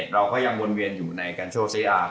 ๔๗เราก็ยังวนเวียนอยู่ในการโชว์เซียร์